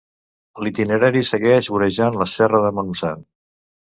L'itinerari segueix vorejant la Serra de Montsant.